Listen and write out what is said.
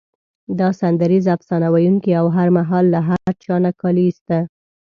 دا سندریز افسانه ویونکی او هر مهال له هر چا نه کالي ایسته.